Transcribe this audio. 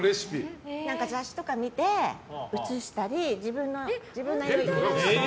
雑誌とかを見て写したり自分なりの。